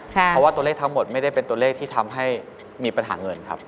เพราะว่าตัวเลขทั้งหมดไม่ได้เป็นตัวเลขที่ทำให้มีปัญหาเงินครับ